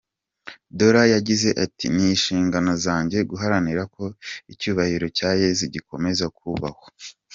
Dola yagize ati ”Ni inshingano zanjye guharanira ko icyubahiro cya Yezu gikomeza kubahwa.